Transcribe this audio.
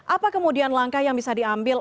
apa kemudian langkah yang bisa diambil